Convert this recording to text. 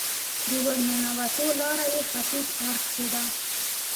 د ورننوتو لاره یې ختیځ اړخ کې ده.